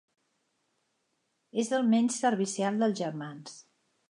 És el menys servicial dels germans.